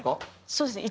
そうですね。